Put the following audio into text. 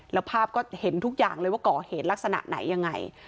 แล้วภาพก็เห็นทุกอย่างเลยว่าก่อเหตุลักษณะไหนยังไง